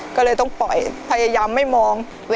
รายการต่อไปนี้เป็นรายการทั่วไปสามารถรับชมได้ทุกวัย